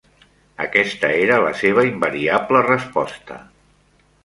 Aquesta era la seva invariable resposta.